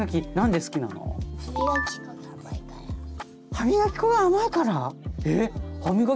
歯みがき粉が甘いから？